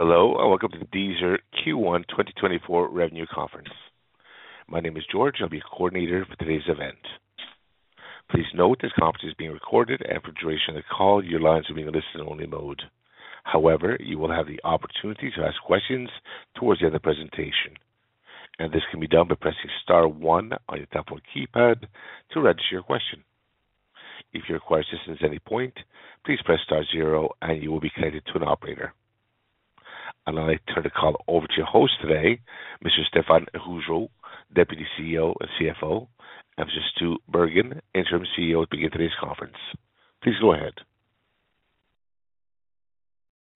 Hello, and welcome to the Deezer Q1 2024 Revenue Conference. My name is George, I'll be your coordinator for today's event. Please note, this conference is being recorded, and for the duration of the call, your lines will be in listen-only mode. However, you will have the opportunity to ask questions towards the end of the presentation, and this can be done by pressing star one on your telephone keypad to register your question. If you require assistance at any point, please press star zero and you will be connected to an operator. I'd like to turn the call over to your host today, Mr. Stéphane Rougeot, Deputy CEO and CFO, and Mr. Stu Bergen, Interim CEO, to begin today's conference. Please go ahead.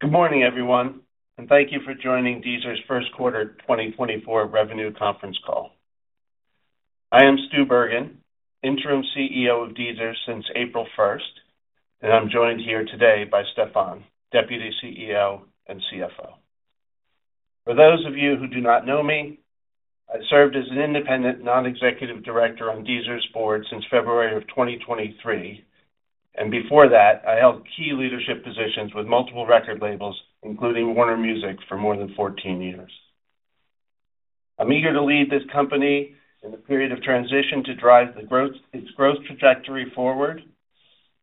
Good morning, everyone, and thank you for joining Deezer's first quarter 2024 revenue conference call. I am Stu Bergen, Interim CEO of Deezer since April 1, and I'm joined here today by Stéphane, Deputy CEO and CFO. For those of you who do not know me, I served as an independent, non-executive director on Deezer's board since February 2023, and before that, I held key leadership positions with multiple record labels, including Warner Music, for more than 14 years. I'm eager to lead this company in a period of transition to drive its growth trajectory forward.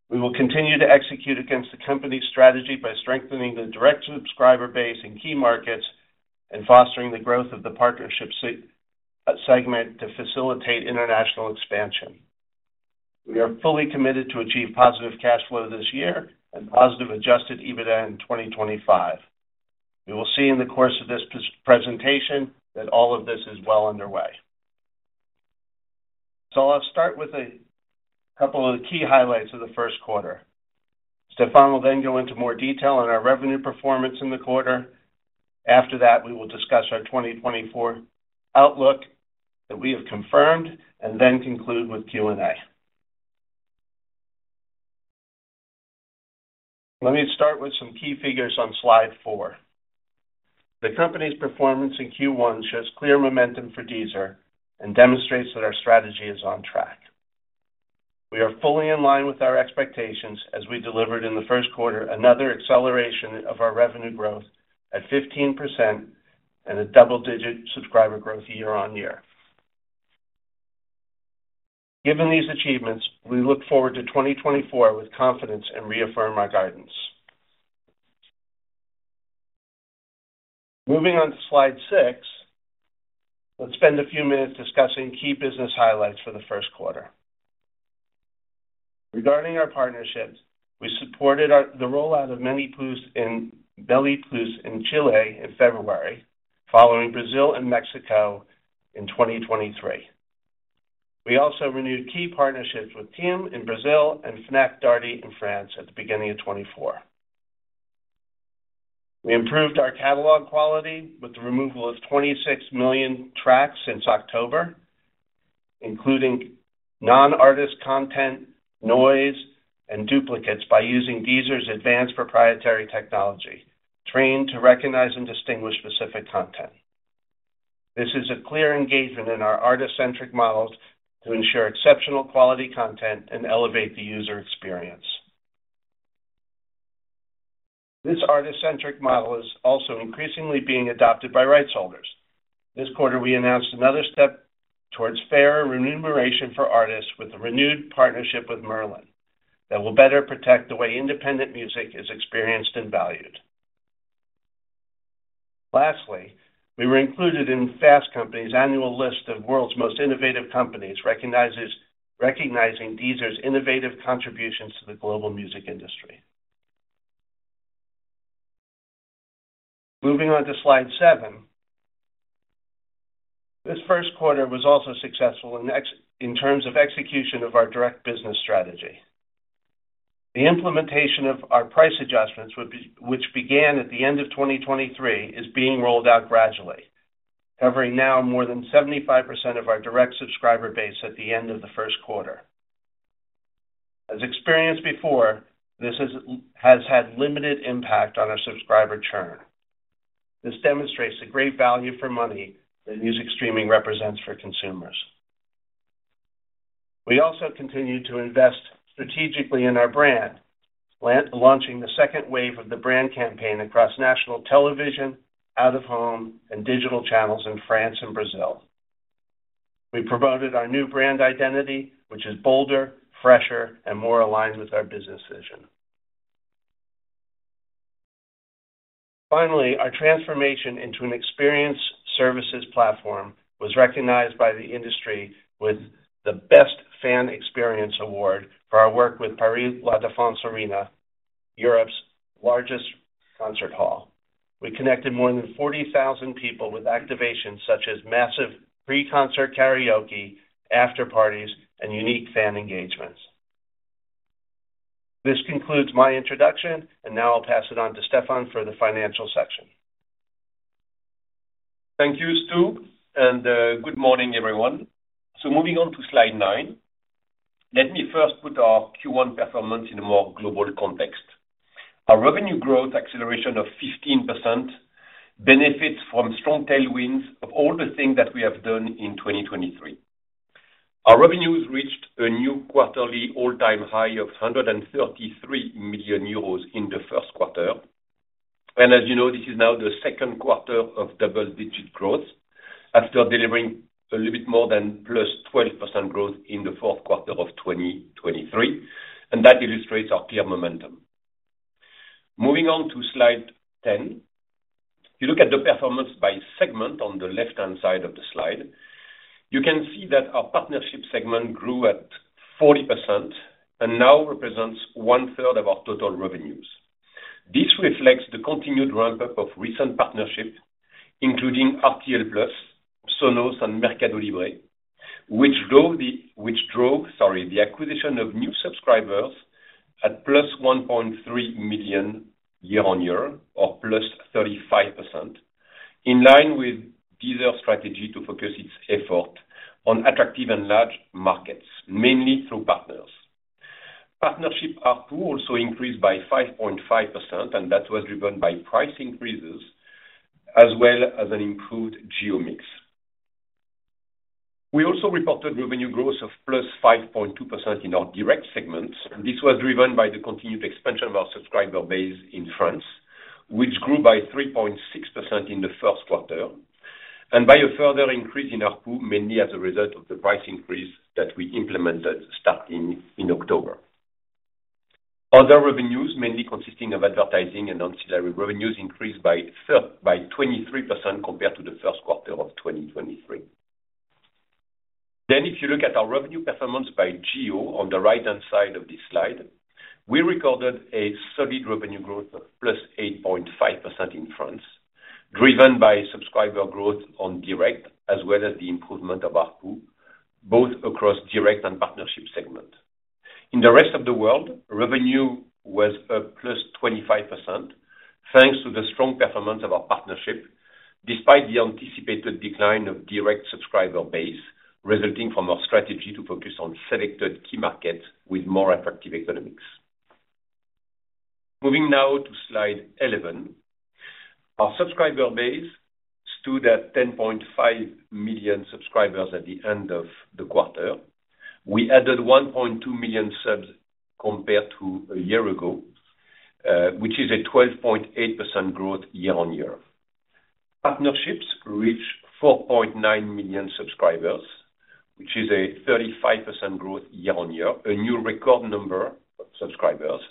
We will continue to execute against the company's strategy by strengthening the direct subscriber base in key markets and fostering the growth of the partnership segment to facilitate international expansion. We are fully committed to achieve positive cash flow this year and positive adjusted EBITDA in 2025. You will see in the course of this presentation that all of this is well underway. So I'll start with a couple of the key highlights of the first quarter. Stéphane will then go into more detail on our revenue performance in the quarter. After that, we will discuss our 2024 outlook that we have confirmed, and then conclude with Q&A. Let me start with some key figures on slide four. The company's performance in Q1 shows clear momentum for Deezer and demonstrates that our strategy is on track. We are fully in line with our expectations as we delivered in the first quarter, another acceleration of our revenue growth at 15% and a double-digit subscriber growth year-on-year. Given these achievements, we look forward to 2024 with confidence and reaffirm our guidance. Moving on to slide six, let's spend a few minutes discussing key business highlights for the first quarter. Regarding our partnerships, we supported the rollout of Meli+ in Chile in February, following Brazil and Mexico in 2023. We also renewed key partnerships with TIM in Brazil and Fnac Darty in France at the beginning of 2024. We improved our catalog quality with the removal of 26 million tracks since October, including non-artist content, noise, and duplicates by using Deezer's advanced proprietary technology, trained to recognize and distinguish specific content. This is a clear engagement in our artist-centric models to ensure exceptional quality content and elevate the user experience. This artist-centric model is also increasingly being adopted by rights holders. This quarter, we announced another step towards fairer remuneration for artists with a renewed partnership with Merlin that will better protect the way independent music is experienced and valued. Lastly, we were included in Fast Company's annual list of world's most innovative companies, recognizing Deezer's innovative contributions to the global music industry. Moving on to slide seven. This first quarter was also successful in terms of execution of our direct business strategy. The implementation of our price adjustments, which began at the end of 2023, is being rolled out gradually, covering now more than 75% of our direct subscriber base at the end of the first quarter. As experienced before, this has had limited impact on our subscriber churn. This demonstrates the great value for money that music streaming represents for consumers. We also continued to invest strategically in our brand, launching the second wave of the brand campaign across national television, out-of-home, and digital channels in France and Brazil. We promoted our new brand identity, which is bolder, fresher, and more aligned with our business vision. Finally, our transformation into an experience services platform was recognized by the industry with the Best Fan Experience award for our work with Paris La Défense Arena, Europe's largest concert hall. We connected more than 40,000 people with activations such as massive pre-concert karaoke, after-parties, and unique fan engagements. This concludes my introduction, and now I'll pass it on to Stéphane for the financial section. Thank you, Stu, and good morning, everyone. So moving on to slide nine, let me first put our Q1 performance in a more global context. Our revenue growth acceleration of 15% benefits from strong tailwinds of all the things that we have done in 2023.... Our revenues reached a new quarterly all-time high of 133 million euros in the first quarter. And as you know, this is now the second quarter of double-digit growth, after delivering a little bit more than +12% growth in the fourth quarter of 2023, and that illustrates our clear momentum. Moving on to slide 10. You look at the performance by segment on the left-hand side of the slide, you can see that our partnership segment grew at 40% and now represents one third of our total revenues. This reflects the continued ramp-up of recent partnerships, including RTL+, Sonos, and Mercado Libre, which drove, sorry, the acquisition of new subscribers at +1.3 million year-over-year, or +35%, in line with Deezer's strategy to focus its effort on attractive and large markets, mainly through partners. Partnership ARPU also increased by 5.5%, and that was driven by price increases as well as an improved geo mix. We also reported revenue growth of +5.2% in our direct segment, and this was driven by the continued expansion of our subscriber base in France, which grew by 3.6% in the first quarter, and by a further increase in ARPU, mainly as a result of the price increase that we implemented starting in October. Other revenues, mainly consisting of advertising and ancillary revenues, increased by 23% compared to the first quarter of 2023. Then, if you look at our revenue performance by geo on the right-hand side of this slide, we recorded a solid revenue growth of +8.5% in France, driven by subscriber growth on direct as well as the improvement of ARPU, both across direct and partnership segment. In the rest of the world, revenue was up 25%, thanks to the strong performance of our partnership, despite the anticipated decline of direct subscriber base, resulting from our strategy to focus on selected key markets with more attractive economics. Moving now to slide 11. Our subscriber base stood at 10.5 million subscribers at the end of the quarter. We added 1.2 million subs compared to a year ago, which is a 12.8% growth year-on-year. Partnerships reached 4.9 million subscribers, which is a 35% growth year-on-year, a new record number of subscribers,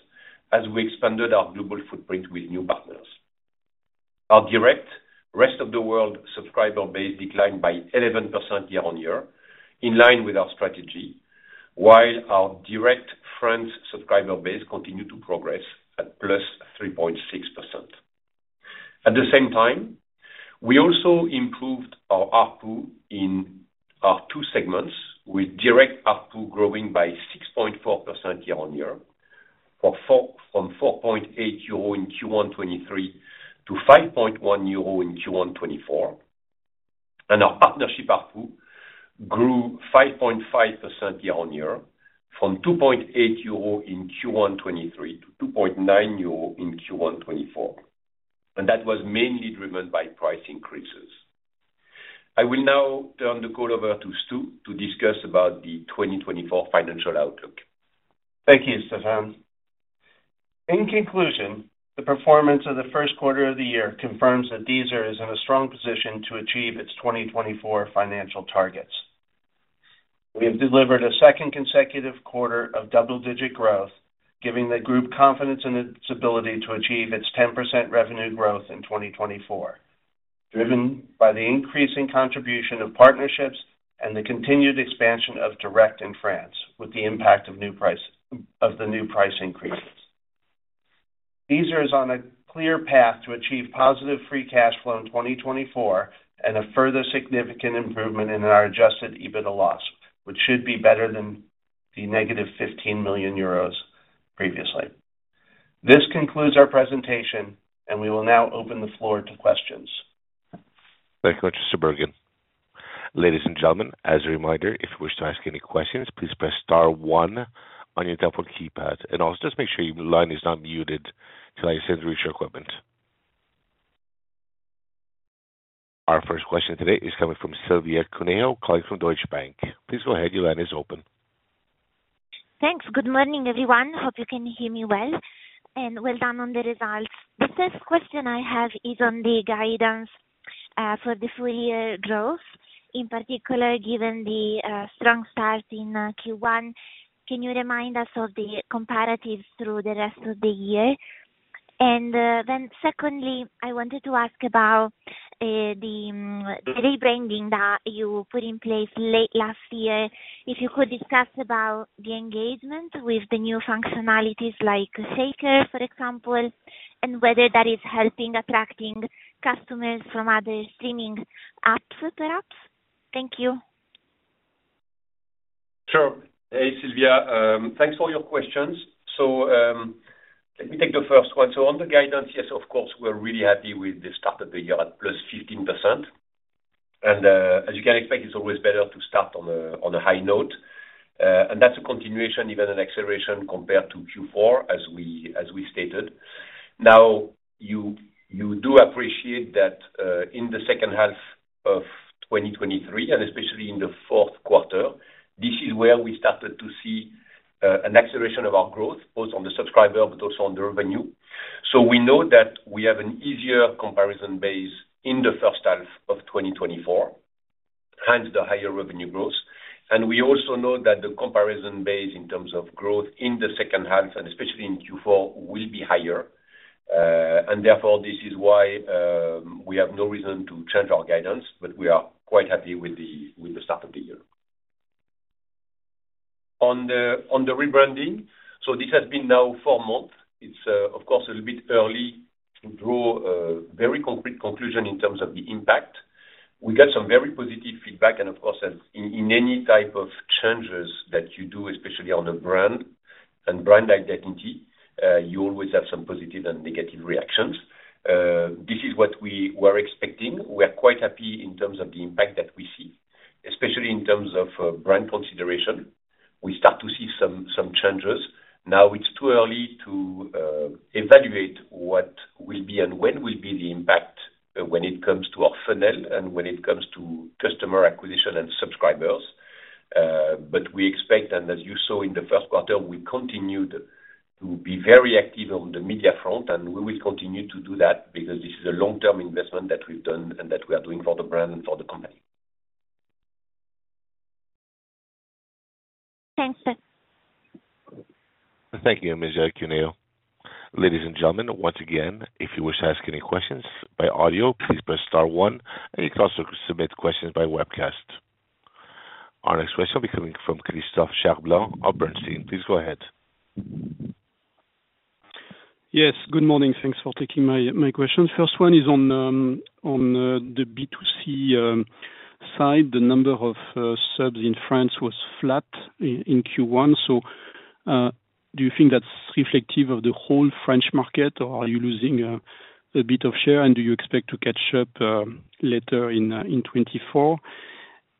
as we expanded our global footprint with new partners. Our direct rest-of-the-world subscriber base declined by 11% year-on-year, in line with our strategy, while our direct France subscriber base continued to progress at +3.6%. At the same time, we also improved our ARPU in our 2 segments, with direct ARPU growing by 6.4% year-on-year, from 4.8 euro in Q1 2023 to 5.1 euro in Q1 2024. Our partnership ARPU grew 5.5% year-on-year from 2.8 euro in Q1 2023 to 2.9 euro in Q1 2024, and that was mainly driven by price increases. I will now turn the call over to Stu to discuss about the 2024 financial outlook. Thank you, Stéphane. In conclusion, the performance of the first quarter of the year confirms that Deezer is in a strong position to achieve its 2024 financial targets. We have delivered a second consecutive quarter of double-digit growth, giving the group confidence in its ability to achieve its 10% revenue growth in 2024, driven by the increasing contribution of partnerships and the continued expansion of Direct in France, with the impact of new price of the new price increases. Deezer is on a clear path to achieve positive free cash flow in 2024 and a further significant improvement in our adjusted EBITDA loss, which should be better than the -15 million euros previously. This concludes our presentation, and we will now open the floor to questions. Thank you, Mr. Bergen. Ladies and gentlemen, as a reminder, if you wish to ask any questions, please press star one on your telephone keypad, and also just make sure your line is not muted until I send you your equipment. Our first question today is coming from Silvia Cuneo, calling from Deutsche Bank. Please go ahead, your line is open. Thanks. Good morning, everyone. Hope you can hear me well, and well done on the results. The first question I have is on the guidance for the full year growth. In particular, given the strong start in Q1, can you remind us of the comparatives through the rest of the year? And then secondly, I wanted to ask about the rebranding that you put in place late last year. If you could discuss about the engagement with the new functionalities, like Shaker, for example, and whether that is helping attracting customers from other streaming apps, perhaps? Thank you. Sure. Hey, Silvia, thanks for your questions. So, let me take the first one. So on the guidance, yes, of course, we're really happy with the start of the year at +15%. And, as you can expect, it's always better to start on a high note. And that's a continuation, even an acceleration, compared to Q4, as we stated. Now, you do appreciate that, in the second half of 2023, and especially in the fourth quarter, this is where we started to see an acceleration of our growth, both on the subscriber but also on the revenue. So we know that we have an easier comparison base in the first half of 2024, hence the higher revenue growth. We also know that the comparison base in terms of growth in the second half, and especially in Q4, will be higher. And therefore, this is why we have no reason to change our guidance, but we are quite happy with the start of the year. On the rebranding, so this has been now four months. It's of course a little bit early to draw a very concrete conclusion in terms of the impact. We get some very positive feedback, and of course, as in any type of changes that you do, especially on a brand and brand identity, you always have some positive and negative reactions. This is what we were expecting. We are quite happy in terms of the impact that we see, especially in terms of brand consideration. We start to see some changes. Now it's too early to evaluate what will be and when will be the impact when it comes to our funnel and when it comes to customer acquisition and subscribers. But we expect, and as you saw in the first quarter, we continued to be very active on the media front, and we will continue to do that because this is a long-term investment that we've done and that we are doing for the brand and for the company. Thanks. Thank you, Monsieur Cuneo. Ladies and gentlemen, once again, if you wish to ask any questions by audio, please press star one, and you can also submit questions by webcast. Our next question will be coming from Christophe Cherblanc of Bernstein. Please go ahead. Yes, good morning. Thanks for taking my question. First one is on the B2C side. The number of subs in France was flat in Q1, so do you think that's reflective of the whole French market, or are you losing a bit of share, and do you expect to catch up later in 2024?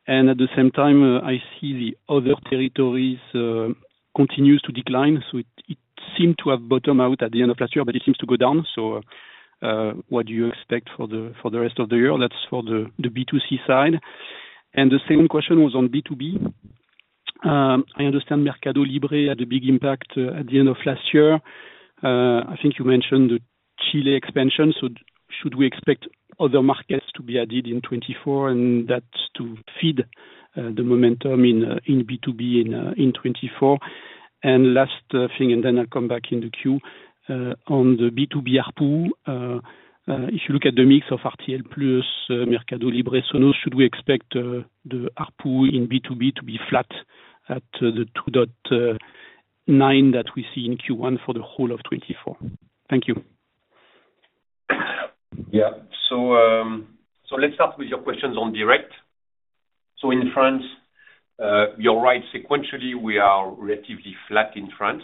And at the same time, I see the other territories continues to decline, so it seemed to have bottomed out at the end of last year, but it seems to go down. So what do you expect for the rest of the year? That's for the B2C side. And the second question was on B2B. I understand Mercado Libre had a big impact at the end of last year. I think you mentioned the Chile expansion, so should we expect other markets to be added in 2024 and that's to feed the momentum in B2B in 2024? And last thing, and then I'll come back in the queue, on the B2B ARPU, if you look at the mix of RTL+, Mercado Libre, so should we expect the ARPU in B2B to be flat at the 2.9 that we see in Q1 for the whole of 2024? Thank you. Yeah. So let's start with your questions on direct. So in France, you're right, sequentially, we are relatively flat in France.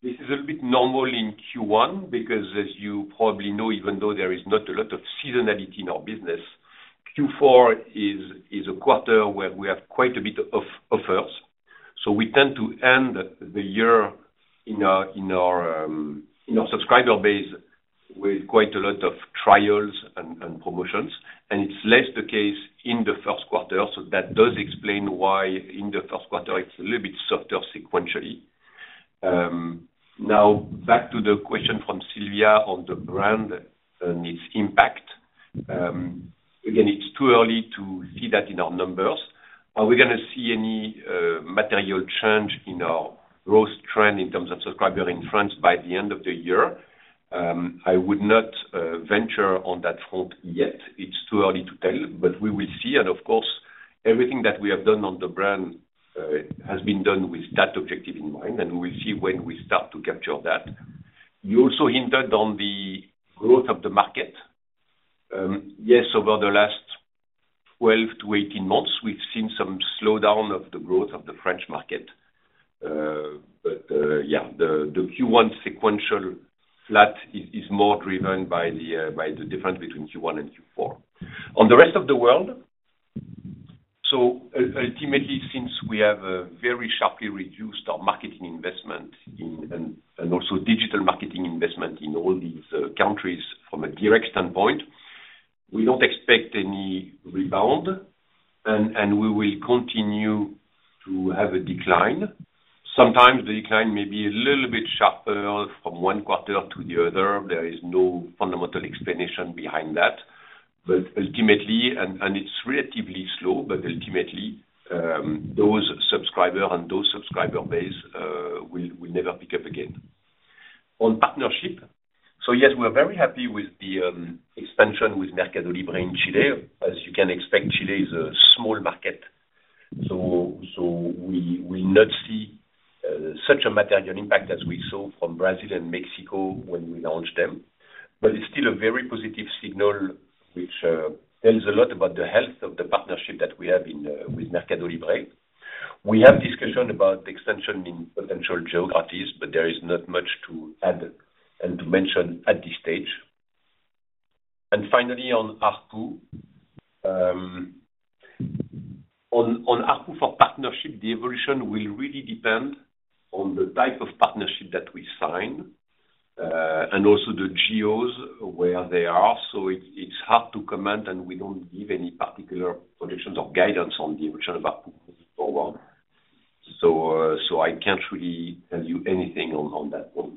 This is a bit normal in Q1 because, as you probably know, even though there is not a lot of seasonality in our business, Q4 is a quarter where we have quite a bit of offers. So we tend to end the year in our subscriber base with quite a lot of trials and promotions, and it's less the case in the first quarter. So that does explain why in the first quarter, it's a little bit softer sequentially. Now back to the question from Sylvia on the brand and its impact. Again, it's too early to see that in our numbers. Are we gonna see any material change in our growth trend in terms of subscriber in France by the end of the year? I would not venture on that front yet. It's too early to tell, but we will see, and of course, everything that we have done on the brand has been done with that objective in mind, and we'll see when we start to capture that. You also hinted on the growth of the market. Yes, over the last 12-18 months, we've seen some slowdown of the growth of the French market. But yeah, the Q1 sequential flat is more driven by the difference between Q1 and Q4. On the rest of the world, so ultimately, since we have very sharply reduced our marketing investment in... And also digital marketing investment in all these countries from a direct standpoint, we don't expect any rebound, and we will continue to have a decline. Sometimes the decline may be a little bit sharper from one quarter to the other. There is no fundamental explanation behind that. But ultimately, it's relatively slow, but ultimately, those subscriber base will never pick up again. On partnership, yes, we're very happy with the expansion with Mercado Libre in Chile. As you can expect, Chile is a small market, so we will not see such a material impact as we saw from Brazil and Mexico when we launched them. But it's still a very positive signal, which tells a lot about the health of the partnership that we have with Mercado Libre. We have discussion about the extension in potential geographies, but there is not much to add and to mention at this stage. And finally, on ARPU for partnership, the evolution will really depend on the type of partnership that we sign, and also the geos where they are. So it's hard to comment, and we don't give any particular predictions or guidance on the evolution of ARPU going forward. So, I can't really tell you anything on that one.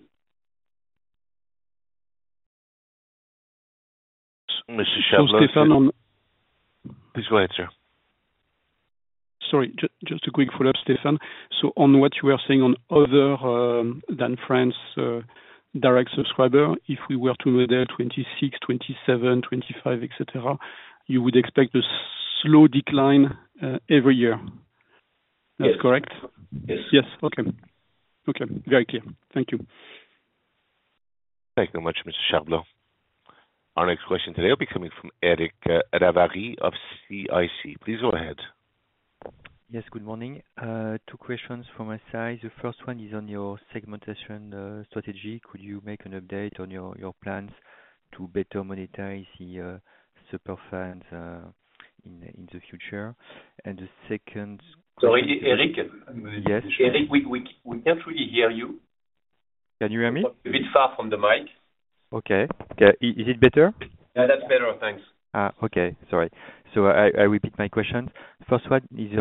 Mr. Cherblanc- So Stéphane, on- Please go ahead, sir. Sorry, just a quick follow-up, Stéphane. So on what you are saying on other than France, direct subscriber, if we were to go there 2026, 2027, 2025, et cetera, you would expect a slow decline, every year? Yes. That's correct? Yes. Yes. Okay. Okay, very clear. Thank you. Thank you very much, Mr. Cherblanc. Our next question today will be coming from Eric Ravary of CIC. Please go ahead. Yes, good morning. Two questions from my side. The first one is on your segmentation strategy. Could you make an update on your plans to better monetize the super fans in the future? And the second- Sorry, Eric. Yes. Eric, we can't really hear you. Can you hear me? A bit far from the mic. Okay. Okay, is it better? Yeah, that's better. Thanks. Okay. Sorry. I repeat my question. First one is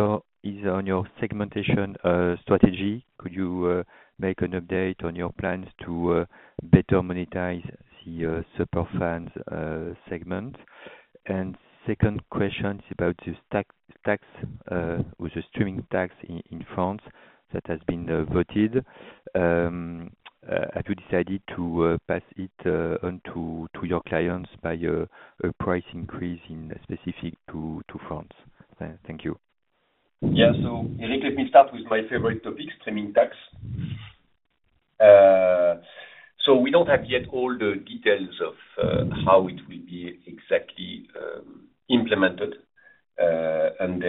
on your segmentation strategy. Could you make an update on your plans to better monetize the super fans segment? And second question is about the streaming tax in France that has been voted. Have you decided to pass it on to your clients by a price increase specific to France? Thank you. Yeah. So Eric, let me start with my favorite topic, Streaming Tax. So we don't have yet all the details of how it will be exactly implemented. And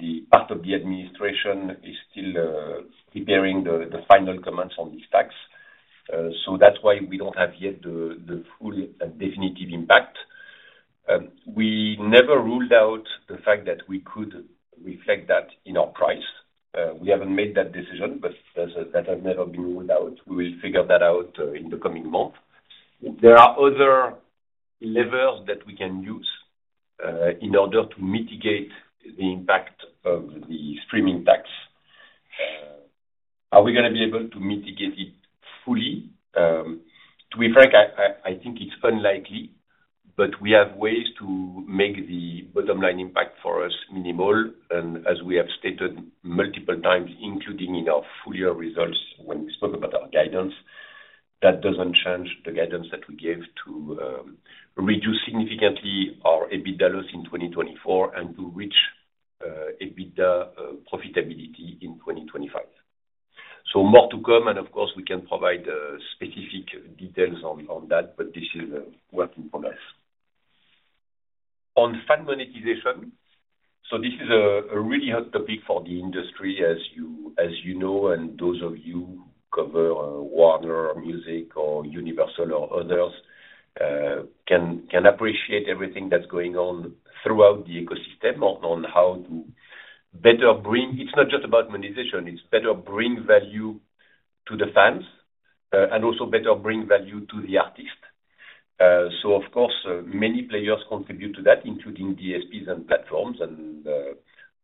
the part of the administration is still preparing the final comments on this tax. So that's why we don't have yet the full and definitive impact. We never ruled out the fact that we could reflect that in our price. We haven't made that decision, but that has never been ruled out. We will figure that out in the coming month. There are other levers that we can use in order to mitigate the impact of the Streaming Tax. Are we gonna be able to mitigate it fully? To be frank, I think it's unlikely, but we have ways to make the bottom line impact for us minimal. And as we have stated multiple times, including in our full year results when we spoke about our guidance, that doesn't change the guidance that we gave to reduce significantly our EBITDA loss in 2024, and to reach EBITDA profitability in 2025. So more to come, and of course, we can provide specific details on that, but this is working for us. On fan monetization, so this is a really hot topic for the industry, as you know, and those of you cover Warner or Music or Universal or others can appreciate everything that's going on throughout the ecosystem on how to better bring... It's not just about monetization, it's better bring value to the fans, and also better bring value to the artist. So of course, many players contribute to that, including DSPs and platforms, and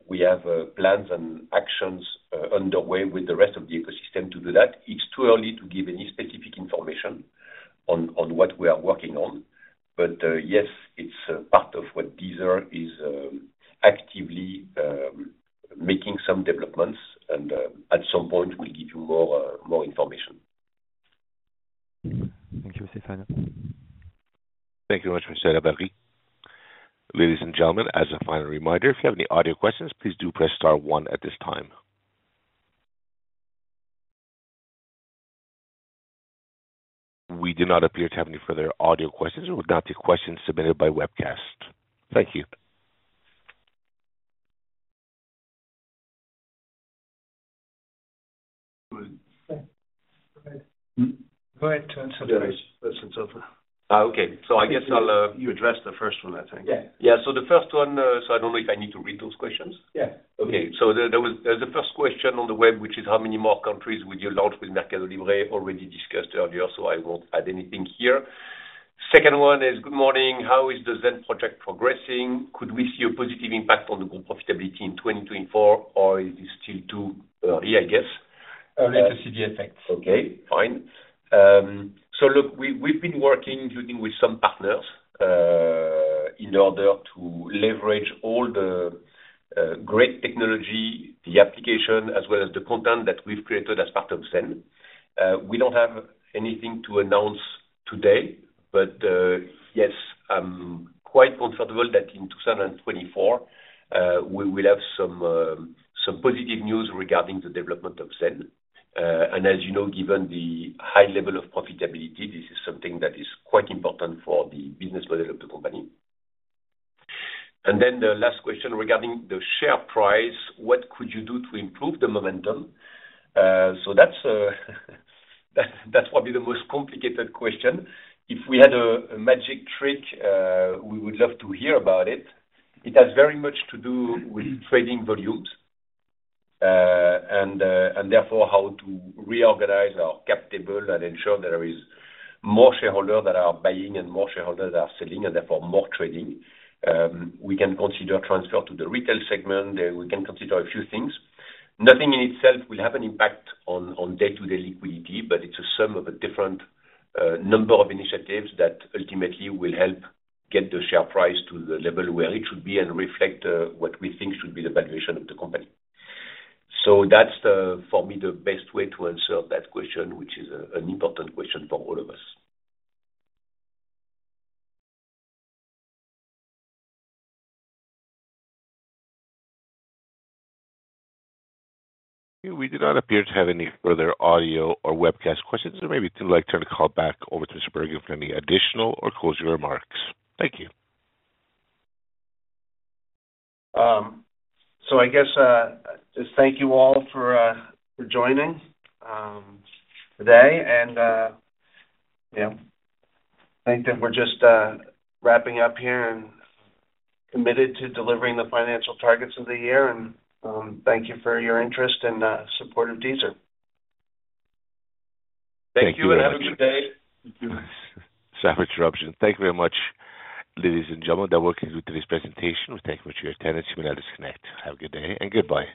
we have plans and actions underway with the rest of the ecosystem to do that. It's too early to give any specific information on what we are working on, but yes, it's a part of what Deezer is actively making some developments, and at some point, we'll give you more information. Thank you, Stéphane. Thank you very much, Mr. Ravary. Ladies and gentlemen, as a final reminder, if you have any audio questions, please do press star one at this time. We do not appear to have any further audio questions. We will now take questions submitted by webcast. Thank you. Okay. So I guess I'll, you addressed the first one, I think. Yeah. Yeah, so the first one, so I don't know if I need to read those questions. Yeah. Okay. There's the first question on the web, which is: How many more countries would you launch with Mercado Libre? Already discussed earlier, so I won't add anything here. Second one is: Good morning. How is the Zen project progressing? Could we see a positive impact on the group profitability in 2024, or is it still too early, I guess? Early to see the effects. Okay, fine. So look, we've been working, including with some partners, in order to leverage all the great technology, the application, as well as the content that we've created as part of Zen. We don't have anything to announce today, but yes, I'm quite comfortable that in 2024, we will have some, some positive news regarding the development of Zen. And as you know, given the high level of profitability, this is something that is quite important for the business model of the company. And then the last question regarding the share price: What could you do to improve the momentum? So that's, that, that's probably the most complicated question. If we had a magic trick, we would love to hear about it. It has very much to do with trading volumes, and therefore, how to reorganize our cap table and ensure there is more shareholders that are buying and more shareholders that are selling, and therefore more trading. We can consider transfer to the retail segment, we can consider a few things. Nothing in itself will have an impact on day-to-day liquidity, but it's a sum of a different number of initiatives that ultimately will help get the share price to the level where it should be and reflect what we think should be the valuation of the company. So that's the, for me, the best way to answer that question, which is an important question for all of us. We do not appear to have any further audio or webcast questions. So maybe we'd like to turn the call back over to Mr. Bergen for any additional or closing remarks. Thank you. So I guess, just thank you all for joining today. And yeah, I think that we're just wrapping up here and committed to delivering the financial targets of the year, and thank you for your interest and support of Deezer. Thank you, and have a good day. Thank you. Sorry for the interruption. Thank you very much, ladies and gentlemen, that will conclude today's presentation. Thank you for your attendance. You may now disconnect. Have a good day, and goodbye.